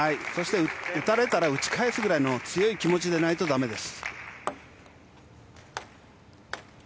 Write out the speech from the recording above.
打たれたら打ち返すぐらいの強い気持ちでないとだめです。